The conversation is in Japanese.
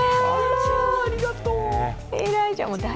ありがとう！